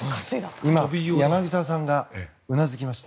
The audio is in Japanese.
今、柳澤さんがうなずきました。